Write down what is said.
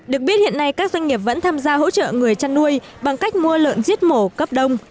được biết hiện nay các doanh nghiệp vẫn tham gia hỗ trợ người chăn nuôi bằng cách mua lợn giết mổ cấp đông